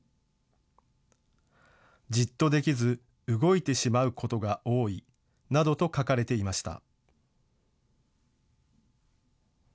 じっとできず、動いてしまうことが多いなどと書かれていました。